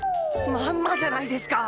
まんまじゃないですか！